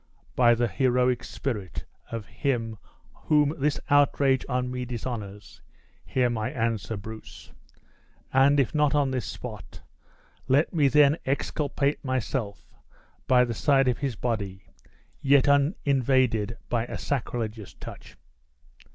"By the heroic spirit of him whom this outrage on me dishonors, hear my answer, Bruce! And, if not on this spot, let me then exculpate myself by the side of his body, yet uninvaded by a sacrilegious touch."